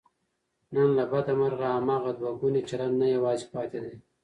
نن له بده مرغه، هماغه دوهګونی چلند نه یوازې پاتې دی